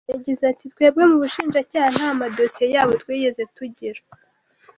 Yagize ati “Twebwe mu Bushinjacyaha nta madosiye yabo twigeze tugira.